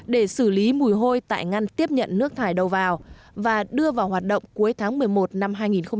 để xử lý mùi hôi tại ngăn tiếp nhận nước thải đầu vào và đưa vào hoạt động cuối tháng một mươi một năm hai nghìn hai mươi